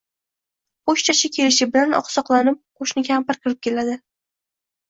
Pochtachi ketishi bilan oqsoqlanib qo‘shni kampir kirib keladi.